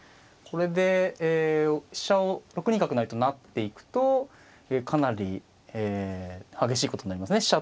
これで飛車を６二角成と成っていくとかなり激しいことになりますね。